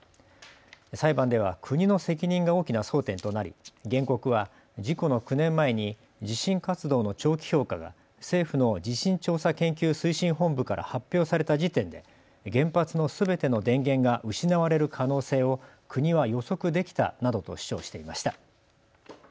裁判では国の責任が大きな争点となり、原告は事故の９年前に地震活動の長期評価が政府の地震調査研究推進本部から発表された時点で原発のすべての電源が失われる可能性を国は予測できたなどと主張していました。